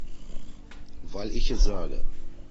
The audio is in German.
Weil ich es sage.